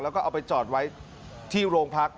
แล้วก็เอาไปจอดไว้ที่โรงพัก